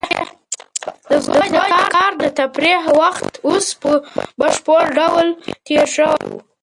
د زوی د کار د تفریح وخت اوس په بشپړ ډول تېر شوی و.